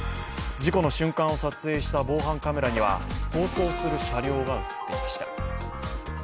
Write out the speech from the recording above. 事故の瞬間を撮影した防犯カメラには、逃走する車両が映っていました。